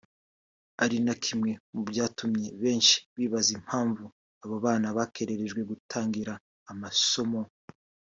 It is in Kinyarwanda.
ari na kimwe mu byatumye benshi bibaza impamvu abo bana bakererejwe gutangira amasomo